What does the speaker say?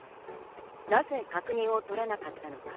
なぜ確認を取らなかったのか？